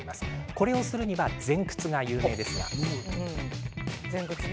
これをするには前屈が有名ですが。